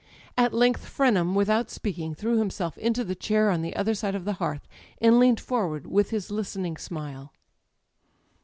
At length Frenham, with out speaking, threw himself into the chair on the other side of the hearth, and leaned forward with his listening smile